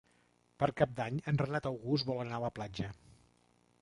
Per Cap d'Any en Renat August vol anar a la platja.